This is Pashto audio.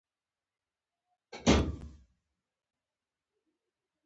د زراعت ټیکنالوژي کروندګرو ته اسانتیاوې برابروي.